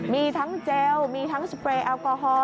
มีทั้งเจลมีทั้งสเปรย์แอลกอฮอล